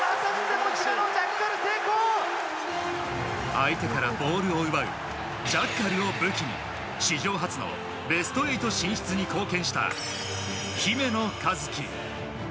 相手からボールを奪うジャッカルを武器に史上初のベスト８進出に貢献した姫野和樹。